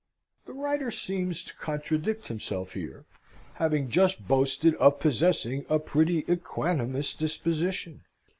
[The writer seems to contradict himself here, having just boasted of possessing a pretty equanimous disposition.